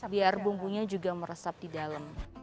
biar bumbunya juga meresap di dalam